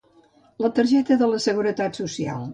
La targeta de la seguretat social.